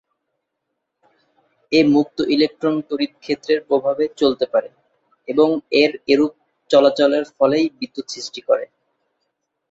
এ "মুক্ত ইলেকট্রন" তড়িৎ ক্ষেত্রের প্রভাবে চলতে পারে এবং এর এরূপ চলাচলের ফলেই বিদ্যুৎ সৃষ্টি করে।